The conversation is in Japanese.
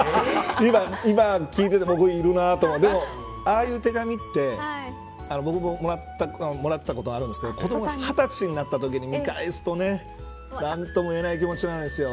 今、聞いていて僕、いるなと思ってでも、ああいう手紙って僕ももらったことあるんですけど子どもが２０歳になったときに見返すとね何とも言えない気持ちになるんですよ。